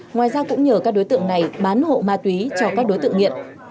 ngoài ra cũng nhờ các đối tượng này bán hộ ma túy cho các đối tượng nghiện